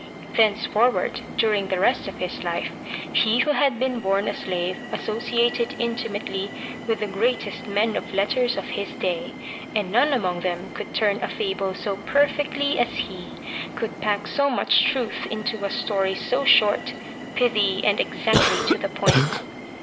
THE LATCH KEY Thenceforward, during the rest of his life, he who had been bom a slave associated intimately with the greatest men of letters of his day, and none among them could turn a fable so perfectly as he, could pack so much truth into a story so short, pithy and exactly to the point.